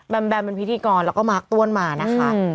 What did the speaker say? แมมเป็นพิธีกรแล้วก็มาร์คต้วนมานะคะ